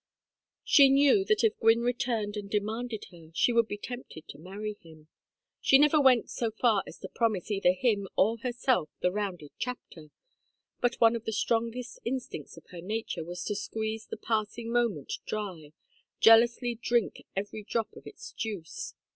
She knew that if Gwynne returned and demanded her, she should be tempted to marry him she never went so far as to promise either him or herself the rounded chapter; but one of the strongest instincts of her nature was to squeeze the passing moment dry, jealously drink every drop of its juice.